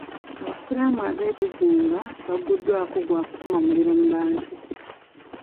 Abasiraamu abegugunga baguddwako gwakukuma muliro mu bantu.